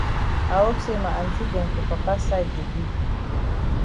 I hope say ma aunty dem for papa side go be.